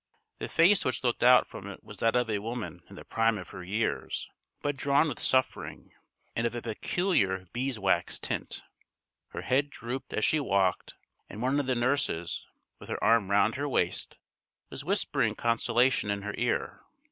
The face which looked out from it was that of a woman in the prime of her years, but drawn with suffering, and of a peculiar beeswax tint. Her head drooped as she walked, and one of the nurses, with her arm round her waist, was whispering consolation in her ear.